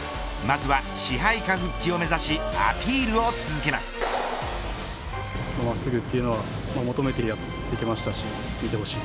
まずは支配下復帰を目指しアピールを続けます。